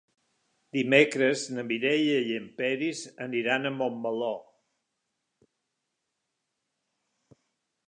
Dimecres na Mireia i en Peris aniran a Montmeló.